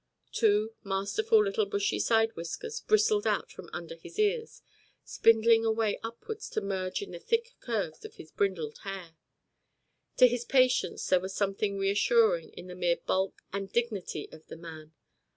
Two masterful little bushy side whiskers bristled out from under his ears spindling away upwards to merge in the thick curves of his brindled hair. To his patients there was something reassuring in the mere bulk and dignity of the man.